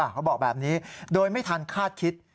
เขาบอกแบบนี้โดยไม่ทันคาดคิด